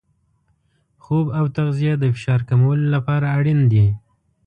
خوب او تغذیه د فشار کمولو لپاره اړین دي.